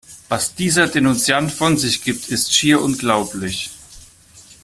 Was dieser Denunziant von sich gibt, ist schier unglaublich!